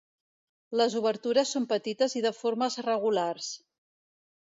Les obertures són petites i de formes regulars.